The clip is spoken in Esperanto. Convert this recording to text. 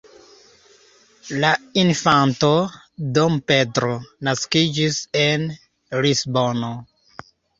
La infanto "dom Pedro" naskiĝis en Lisbono.